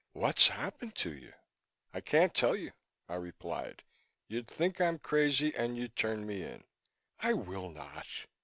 "What's happened to you?" "I can't tell you," I replied. "You'd think I'm crazy and you'd turn me in." "I will not!"